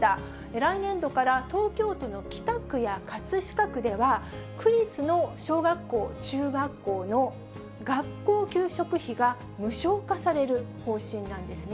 来年度から東京都の北区や葛飾区では、区立の小学校、中学校の学校給食費が無償化される方針なんですね。